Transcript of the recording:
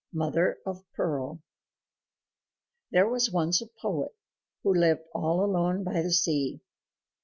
MOTHER OF PEARL There was once a poet who lived all alone by the sea.